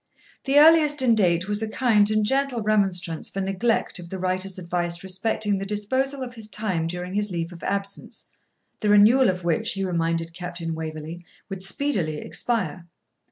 The earliest in date was a kind and gentle remonstrance for neglect of the writer's advice respecting the disposal of his time during his leave of absence, the renewal of which, he reminded Captain Waverley, would speedily expire.